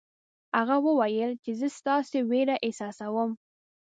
هغه وویل چې زه ستاسې وېره احساسوم.